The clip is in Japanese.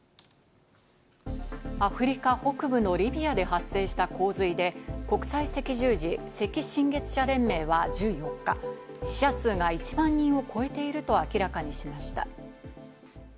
アフリカ北部のリビアで発生した洪水で国際赤十字・赤新月社連盟は１４日、死者数が１万人を超えていると明らかにしました。